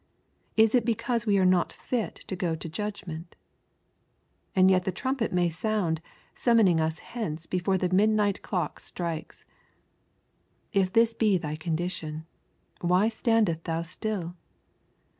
Is it because we are not fit to go to judgment? And yet the trumpet may sound summoning us hence before the midnight clock strikes. If this be thy condition, why standest thou still?